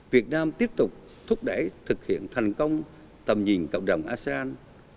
việt nam tiếp tục thúc đẩy thực hiện thành công tầm nhìn cộng đồng asean hai nghìn hai mươi năm